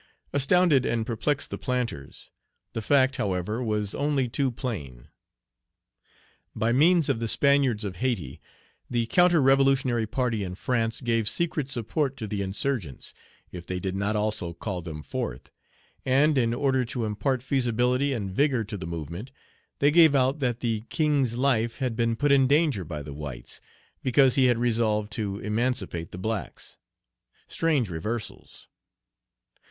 astounded and perplexed the planters. The fact, however, was only too plain. By means of the Spaniards of Hayti, the counter revolutionary party in France gave secret support to the insurgents, if they did not also call them forth; and, in order to impart feasibility and vigor to the movement, they gave out that the king's life had been put in danger by the whites, because he had resolved to emancipate the blacks. Strange reversals!